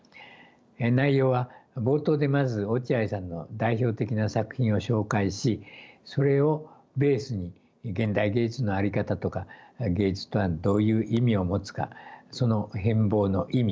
内容は冒頭でまず落合さんの代表的な作品を紹介しそれをベースに現代芸術の在り方とか芸術とはどういう意味を持つかその変貌の意味